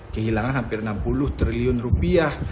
kehilangan hampir enam puluh triliun rupiah